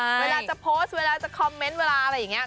เวลาจะโพสต์เวลาจะคอมเมนต์เวลาอะไรอย่างนี้